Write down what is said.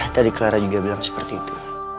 tadi clara juga bilang seperti itu